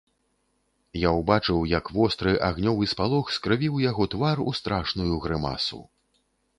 Я ўбачыў, як востры, агнёвы спалох скрывіў яго твар у страшную грымасу.